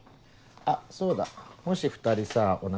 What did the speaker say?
あっそうだもし２人さお腹